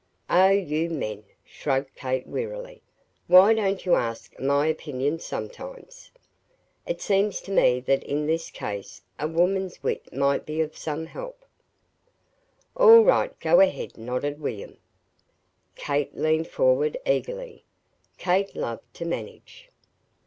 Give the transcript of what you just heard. "Oh, you men!" shrugged Kate, wearily. "Why don't you ask my opinion sometimes? It seems to me that in this case a woman's wit might be of some help!" "All right, go ahead!" nodded William. Kate leaned forward eagerly Kate loved to "manage."